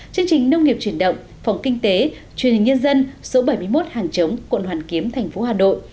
chương trình nông nghiệp truyền động phòng kinh tế truyền hình nhân dân số bảy mươi một hàng chống quận hoàn kiếm tp hà nội